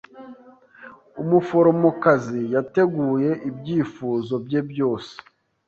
Umuforomokazi yateguye ibyifuzo bye byose.